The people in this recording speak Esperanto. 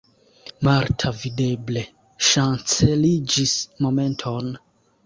Marta videble ŝanceliĝis momenton.